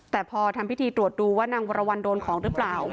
แต่พอทำพิธีตรวจดูว่านางวรวรรณโดนของหรือเปล่า